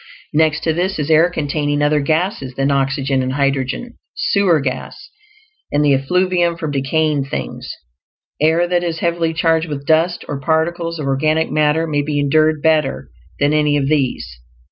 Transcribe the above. Next to this is air containing other gases than oxygen and hydrogen sewer gas, and the effluvium from decaying things. Air that is heavily charged with dust or particles of organic matter may be endured better than any of these.